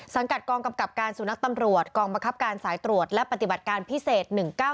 กัดกองกำกับการสุนัขตำรวจกองบังคับการสายตรวจและปฏิบัติการพิเศษ๑๙๙